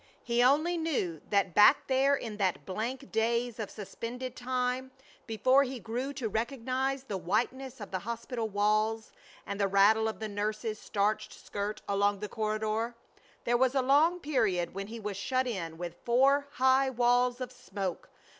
He only knew that back there in that blank daze of suspended time, before he grew to recognize the whiteness of the hospital walls and the rattle of the nurse's starched skirt along the corridor, there was a long period when he was shut in with four high walls of smoke.